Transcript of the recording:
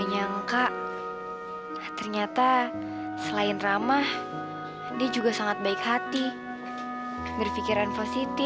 nanti nyusul loh jangan tinggal